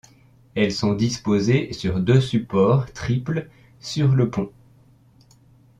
Elles sont disposées sur deux supports triples sur le pont.